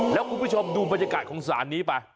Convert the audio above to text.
แล้วคุณผู้ชมดูบรรยากาศของศาลนี้ไป